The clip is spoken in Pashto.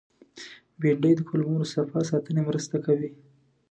بېنډۍ د کولمو د صفا ساتنې مرسته کوي